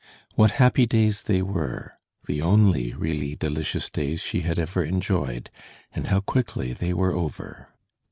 What happy days they were, the only really delicious days she had ever enjoyed, and how quickly they were over!